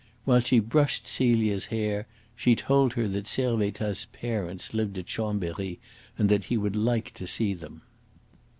While she brushed Celia's hair she told her that Servettaz's parents lived at Chambery, and that he would like to see them.